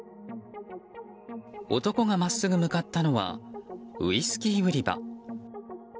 男がまっすぐ向かったのはウイスキー売場。